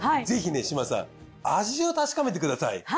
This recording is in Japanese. ぜひね志真さん味を確かめてください。